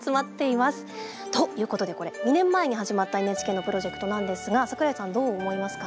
ということでこれ２年前に始まったＮＨＫのプロジェクトなんですが櫻井さんどう思いますか？